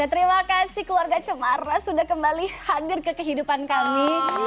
terima kasih keluarga cemara sudah kembali hadir ke kehidupan kami